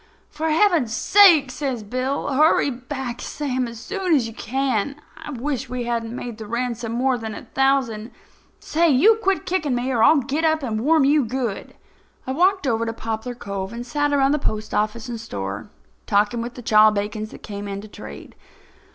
"For Heaven's sake," says Bill, "hurry back, Sam, as soon as you can. I wish we hadn't made the ransom more than a thousand. Say, you quit kicking me or I'll get up and warm you good." I walked over to Poplar Cove and sat around the postoffice and store, talking with the chawbacons that came in to trade.